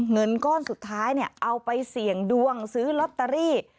เงินก้อนสุดท้ายเอาไปเสี่ยงดวงซื้อลอตเตอรี่